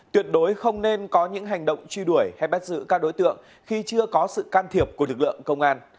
tuyệt đối không nên có những hành động truy đuổi hay bắt giữ các đối tượng khi chưa có sự can thiệp của lực lượng công an